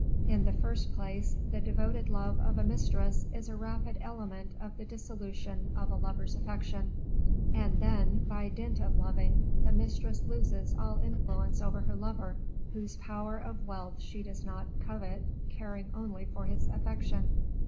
In the first place, the devoted love of a mistress is a rapid element of the dissolution of a lover's affection; and then, by dint of loving, the mistress loses all influence over her lover, whose power of wealth she does not covet, caring only for his affection.